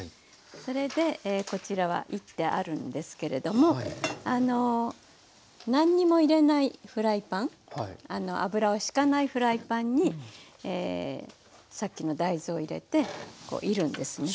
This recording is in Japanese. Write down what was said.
それでこちらはいってあるんですけれども何にも入れないフライパン油をしかないフライパンにさっきの大豆を入れているんですね。